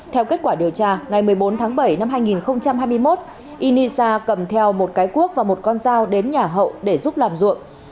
theo kết quả điều tra ngày một mươi bốn tháng bảy năm hai nghìn hai mươi một inisa cầm theo một cái cuốc và một con dao đến nhà hậu để giúp làm ruộng